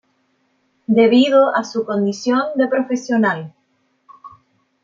Debido a su condición de profesional.